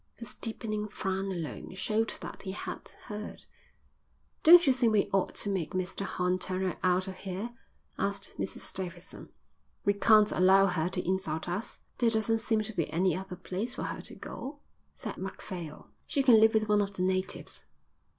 His deepening frown alone showed that he had heard. "Don't you think we ought to make Mr Horn turn her out of here?" asked Mrs Davidson. "We can't allow her to insult us." "There doesn't seem to be any other place for her to go," said Macphail. "She can live with one of the natives."